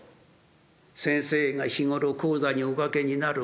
先生が日頃高座におかけになる講釈。